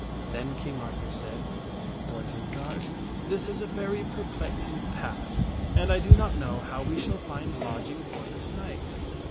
Then King Arthur said, " Boisenard, this is a very perplexing pass and I do not know how we shall find lodging for this night."